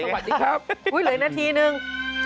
สวัสดีครับอุ๊ยเหลือนาทีหนึ่ง